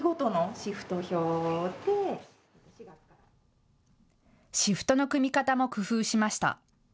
シフトの組み方も工夫しました。